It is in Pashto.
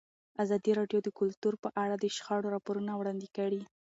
ازادي راډیو د کلتور په اړه د شخړو راپورونه وړاندې کړي.